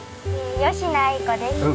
吉野愛子です。